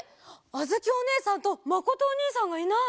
あづきおねえさんとまことおにいさんがいない！